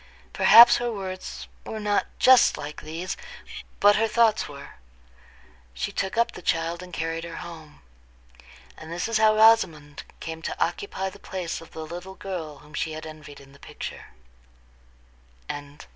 Perhaps her words were not just like these, but her thoughts were. She took up the child, and carried her home. And this is how Rosamond came to occupy the place of the little girl whom she had envied in the picture. VII.